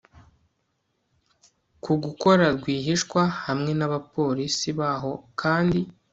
ku gukora rwihishwa hamwe n'abapolisi baho kandi